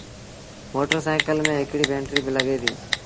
موٽر سآئيٚڪل ميݩ هڪڙيٚ بئيٽريٚ با لڳي ديٚ۔